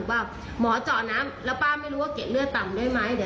คุณผู้ชมค่ะแล้วเดี๋ยวมาเล่ารายละเอียดเพิ่มให้ฟังค่ะ